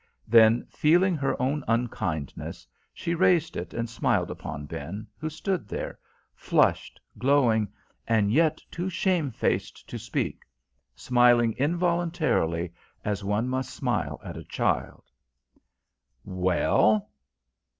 Then, feeling her own unkindness, she raised it and smiled upon Ben, who stood there, flushed, glowing, and yet too shame faced to speak smiled involuntarily, as one must smile at a child. "Well?"